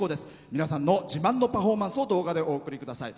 皆さんの自慢のパフォーマンスを動画でお送りください。